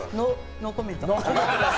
ノーコメントです！